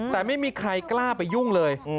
แต่ไม่มีใครกล้าไปยุ่งเลย